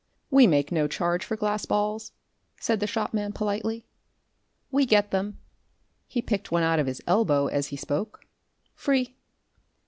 "We make no charge for glass balls," said the shopman politely. "We get them," he picked one out of his elbow as he spoke "free."